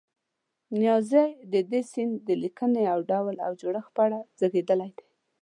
نیازی د دې سیند د لیکنې د ډول او جوړښت په اړه غږېدلی دی.